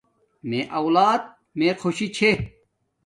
میے اولاد میے خوشی چھے